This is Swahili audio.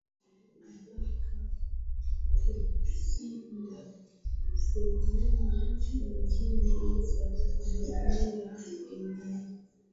haraka kushinda sehemu nyingine za Dunia Eneo